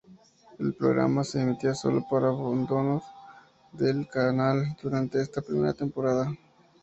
El programa se emitía sólo para abonados del canal durante esta primera temporada.